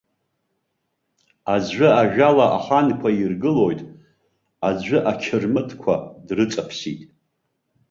Аӡәы ажәала аханқәа иргылоит, аӡәы ақьырмытқәа дрыҵаԥсит.